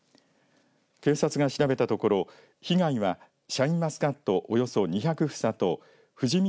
警察が調べたところ被害は、シャインマスカットおよそ２００房と藤稔